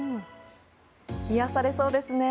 癒やされそうですね。